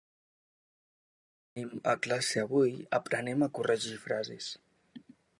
les alumnes que anem a classe avui, aprenem a corregir frases .